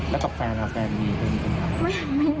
แล้วกับแฟนแฟนมีเคยมีปัญหา